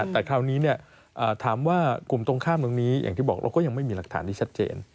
แต่คราวนี้ถามว่ากลุ่มตรงข้ามตรงนี้อย่างที่บอกเราก็ยังไม่มีหลักฐานที่ชัดเจน